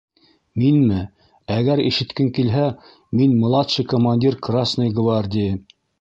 — Минме, әгәр ишеткең килһә, мин младший командир Красной гвардии...